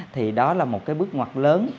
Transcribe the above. thì đó là một bước ngoặt lớn